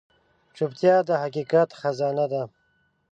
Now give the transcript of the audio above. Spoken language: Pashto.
چوپتیا، د حقیقت خزانه ده.